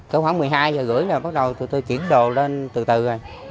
khoảng một mươi hai h ba mươi là bắt đầu tụi tôi chuyển đồ lên từ từ rồi